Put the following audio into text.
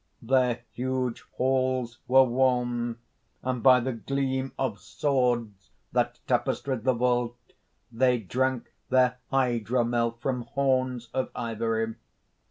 "Their huge halls were warm, and by the gleam of swords that tapestried the vault, they drank their hydromel from horns of ivory.